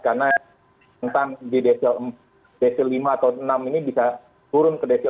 karena tentang di desil lima atau enam ini bisa turun ke desil empat